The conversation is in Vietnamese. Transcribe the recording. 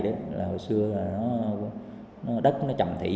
hồi xưa là đất nó trầm thỉ